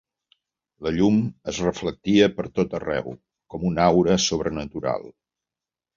La llum es reflectia per tot arreu, com una aura sobrenatural.